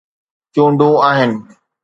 چونڊون آهن.